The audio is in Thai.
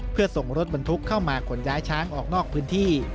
เพื่อส่งรถบรรทุกเข้ามาขนย้ายช้างออกนอกพื้นที่